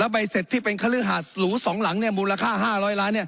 ใบเสร็จที่เป็นซ์คลื่นหาดหรรูสองหลังวีค๕๐๐ล้าน